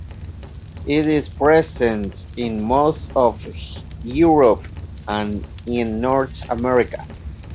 It is present in most of Europe and in North America.